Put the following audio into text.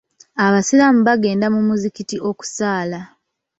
Abasiraamu bagenda mu muzikiti okusaala.